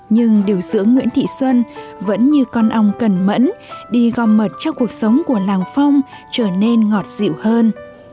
nhưng điều dưỡng nguyễn thị xuân vẫn như con ong cần mẫn đi gom mật cho cuộc sống của làng phong trở nên ngọt dịu hơn